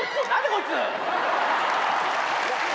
こいつ。